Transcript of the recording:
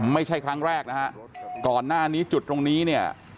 ไม่ใช่ครั้งแรกนะฮะก่อนหน้านี้จุดตรงนี้เนี่ย